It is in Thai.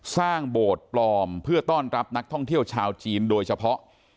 โบสถ์ปลอมเพื่อต้อนรับนักท่องเที่ยวชาวจีนโดยเฉพาะ